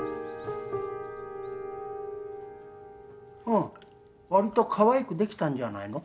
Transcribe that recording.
うんわりとかわいくできたんじゃないの？